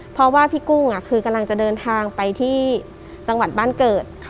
เพราะว่าพี่กุ้งคือกำลังจะเดินทางไปที่จังหวัดบ้านเกิด